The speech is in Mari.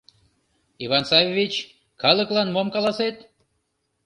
Иван Саввич, калыклан мом каласет?